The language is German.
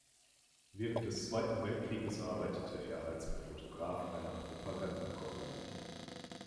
Während des Zweiten Weltkrieges arbeitete er als Fotograf einer Propagandakompanie.